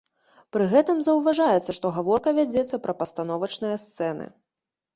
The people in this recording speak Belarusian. Пры гэтым заўважаецца, што гаворка вядзецца пра пастановачныя сцэны.